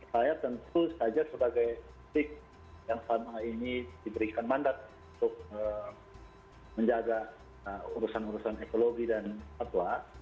saya tentu saja sebagai sik yang selama ini diberikan mandat untuk menjaga urusan urusan ekologi dan fatwa